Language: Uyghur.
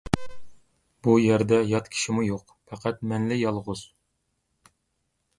بۇ يەردە يات كىشىمۇ يوق، پەقەت مەنلا يالغۇز.